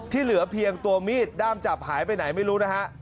เหลือเพียงตัวมีดด้ามจับหายไปไหนไม่รู้นะฮะ